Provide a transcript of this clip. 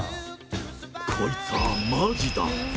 こいつはまじだ。